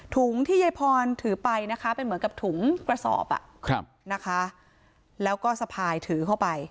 ถุงที่ยายพรถือไปนะคะเป็นเหมือนกับถุงกระสอบนะคะแล้วก็สะพายถือเข้าไป